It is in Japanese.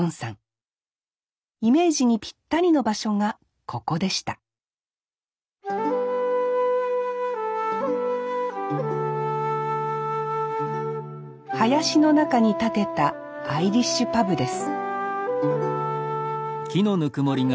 イメージにピッタリの場所がここでした林の中に建てたアイリッシュパブです